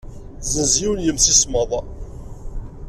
Tessenz yiwen n yemsismeḍ.